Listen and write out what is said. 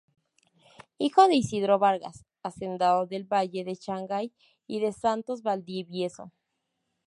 Hijo de Isidro Vargas, hacendado del valle de Chancay, y de Santos Valdivieso.